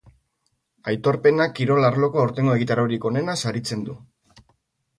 Aitorpenak kirol arloko aurtengo egitaraurik onena saritzen du.